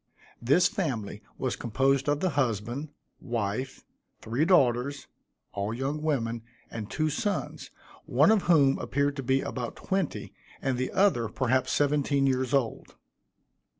This family was composed of the husband, wife, three daughters, all young women, and two sons, one of whom appeared to be about twenty, and the other, perhaps seventeen years old.